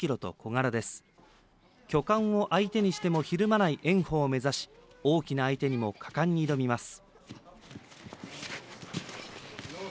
巨漢を相手にしてもひるまない、炎鵬を目指し大きな相手にも果敢に挑みます。